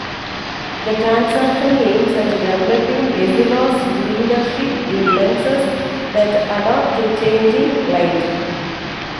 The transaction aims at developing Essilor's leadership in lenses that adapt to changing light.